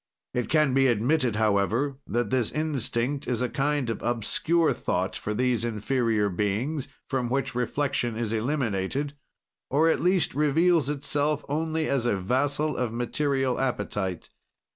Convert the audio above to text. "It can be admitted, however, that this instinct is a kind of obscure thought for these inferior beings, from which reflection is eliminated, or, at least, reveals itself only as a vassal of material appetite.